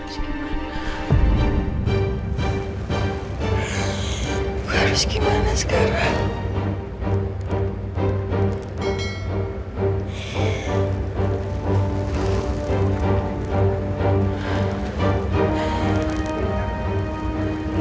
gue harus gimana sekarang